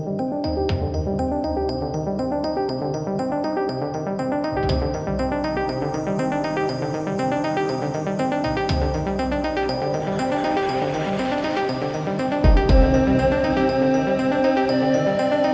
การรอบดูอร่างแรก